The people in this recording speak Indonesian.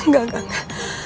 gak gak gak